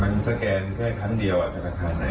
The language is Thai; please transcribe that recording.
มันสแกนแค่ครั้งเดียวอ่ะสาขาไหนก็ได้